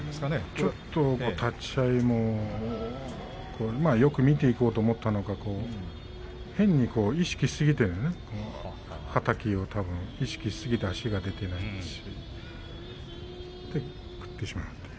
ちょっと立ち合いもよく見ていこうと思ったのか変に意識しすぎてはたきを意識しすぎて足が出ていないしそれで食ってしまうという。